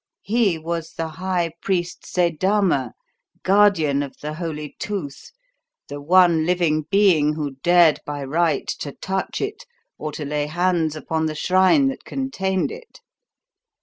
He was the High Priest Seydama, guardian of the Holy Tooth the one living being who dared by right to touch it or to lay hands upon the shrine that contained it.